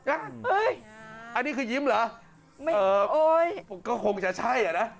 อันนี้คือยิ้มเหรอก็คงจะใช่อะนะ